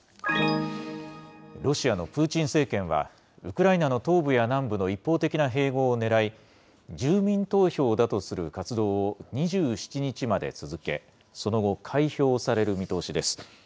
ロシアのプーチン政権は、ウクライナの東部や南部の一方的な併合をねらい、住民投票だとする活動を２７日まで続け、その後、開票される見通しです。